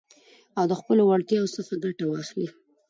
او د خپلو وړتياوو څخه ګټه واخلٸ.